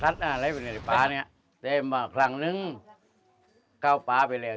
อาหารแหล่งไปทิศป๊าแนี่ยเจ็บว่าครั้งนึงโดนน่วงแค่ไก้ป๊าไปเลย